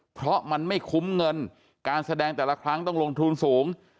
เพราะมันไม่คุ้มเงินการแสดงแต่ละครั้งต้องลงทุนสูง